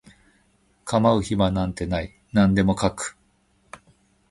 構う暇なんてない何でも描く